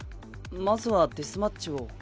まずはデスマッチを。